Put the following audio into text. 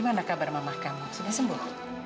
gimana kabar mama kamu sudah sembuh